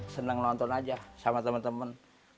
senang nonton aja sama temen temen